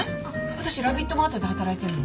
私ラビットマートで働いてるの。